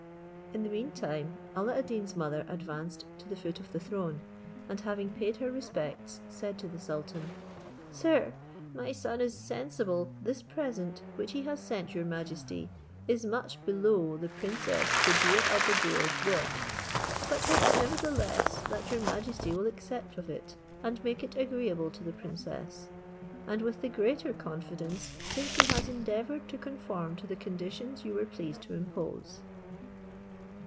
In the meantime Alla ad Deen's mother advanced to the foot of the throne, and having paid her respects, said to the sultan, "Sir, my son is sensible this present, which he has sent your majesty, is much below the princess Buddir al Buddoor's worth; but hopes, nevertheless, that your majesty will accept of it, and make it agreeable to the princess, and with the greater confidence since he has endeavoured to conform to the conditions you were pleased to impose."